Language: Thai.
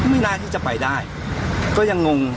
ไม่น่าที่จะไปได้ก็ยังงง